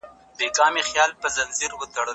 بیا به شرنګ وي د بنګړیو پر ګودر د شنو منګیو